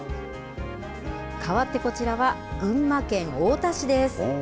かわってこちらは群馬県太田市です。